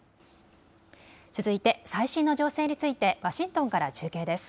続いて最新の情勢についてワシントンから中継です。